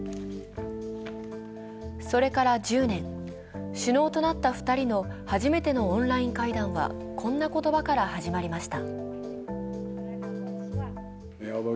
それから１０年、首脳となった２人の初めてのオンライン会談はこんな言葉から始まりました。